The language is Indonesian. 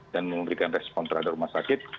dan memberikan respon terhadap rumah sakit